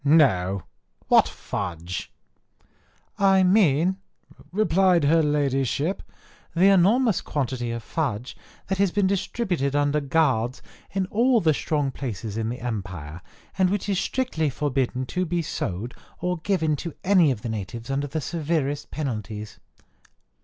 no: what fudge?" "I mean," replied her Ladyship, "the enormous quantity of fudge that has been distributed under guards in all the strong places in the empire, and which is strictly forbidden to be sold or given to any of the natives under the severest penalties."